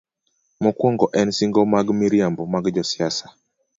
Mokwongo en singo mag miriambo mag josiasa.